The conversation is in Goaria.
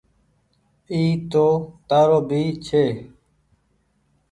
اي تو تآرو ڀي ڇي۔